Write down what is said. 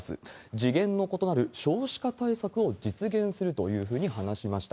次元の異なる少子化対策を実現するというふうに話しました。